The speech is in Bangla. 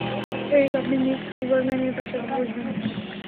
এরিক, আপনি মিস হুবারম্যানের পাশে বসবেন।